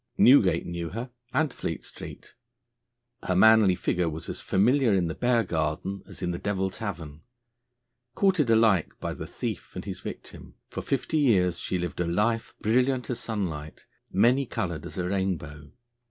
Newgate knew her, and Fleet Street; her manly figure was as familiar in the Bear Garden as at the Devil Tavern; courted alike by the thief and his victim, for fifty years she lived a life brilliant as sunlight, many coloured as a rainbow.